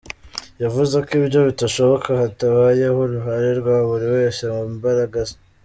Yavuze ko ibyo bitashoboka hatabayeho uruhare rwa buri wese mu mbaraga ze.